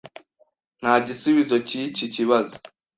Nta gisubizo cyiki kibazo.